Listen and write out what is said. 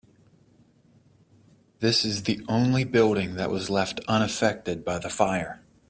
This is the only building that was left unaffected by fire.